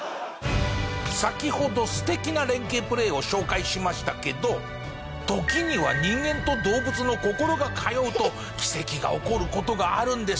先ほど素敵な連携プレーを紹介しましたけど時には人間と動物の心が通うと奇跡が起こる事があるんです。